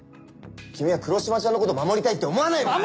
君は黒島ちゃんのこと守りたいって思わないのかよ？